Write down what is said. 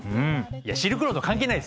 いやシルクロード関係ないですねこれ。